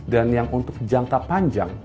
dan yang untuk jangka panjang